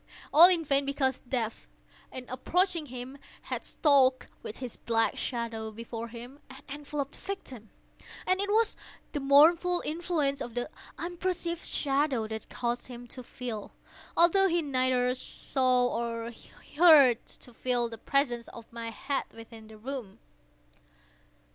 All in vain; because Death, in approaching him had stalked with his black shadow before him, and enveloped the victim. And it was the mournful influence of the unperceived shadow that caused him to feel—although he neither saw nor heard—to feel the presence of my head within the room.